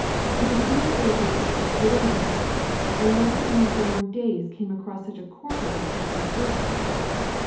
'Cause if you say it is, it ain't. I never in my bom days came across such a corker of a case as this one.